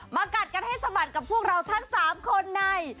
กัดกันให้สะบัดกับพวกเราทั้ง๓คนใน